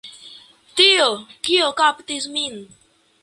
Tio, kio kaptis min .